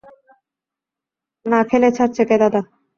না খেলে ছাড়ছে কে দাদা?